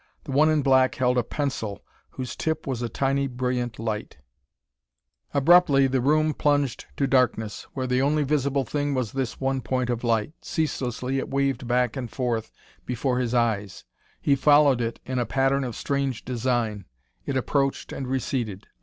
The one in black held a pencil whose tip was a tiny, brilliant light. Abruptly the room plunged to darkness, where the only visible thing was this one point of light. Ceaselessly it waved back and forth before his eyes; he followed it in a pattern of strange design; it approached and receded.